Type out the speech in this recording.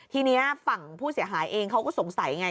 ทีนี้ฝั่งผู้เสียหายเองเขาก็สงสัยไง